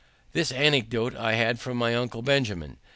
This anecdote I had from my uncle Benjamin.